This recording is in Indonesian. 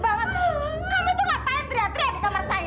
dasar pembantu kata umpik